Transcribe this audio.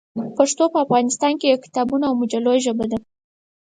پښتو په افغانستان کې د کتابونو او مجلو ژبه ده.